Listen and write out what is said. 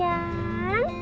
baik mbak siti